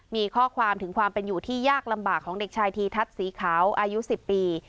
มีข้อความถึงความเป็นอยู่ที่ยากลำบากของเด็กชายธีทัศน์สีขาวอายุ๑๐ปี